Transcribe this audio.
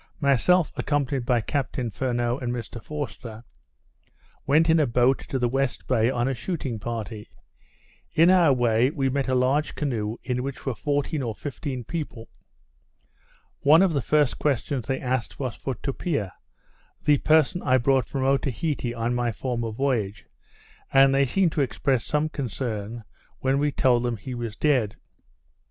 Myself, accompanied by Captain Furneaux and Mr Forster, went in a boat to the west bay on a shooting party. In our way, we met a large canoe in which were fourteen or fifteen people. One of the first questions they asked was for Tupia, the person I brought from Otaheite on my former voyage; and they seemed to express some concern when we told them he was dead.